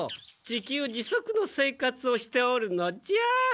自給自足の生活をしておるのじゃ。